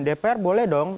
dpr boleh dong